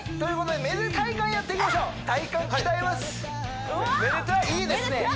いいですね